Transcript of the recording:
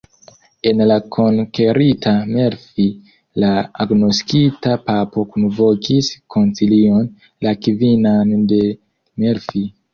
En la konkerita Melfi la agnoskita papo kunvokis koncilion, la kvinan de Melfi.